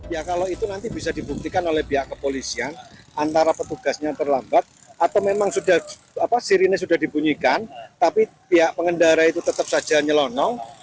ya kalau itu nanti bisa dibuktikan oleh pihak kepolisian antara petugasnya terlambat atau memang sirine sudah dibunyikan tapi pihak pengendara itu tetap saja nyelonong